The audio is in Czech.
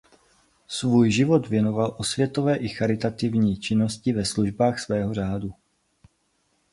Svůj život věnoval osvětové i charitativní činnosti ve službách svého řádu.